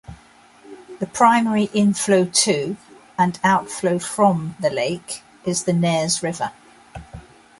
The primary inflow to and outflow from the lake is the Nares River.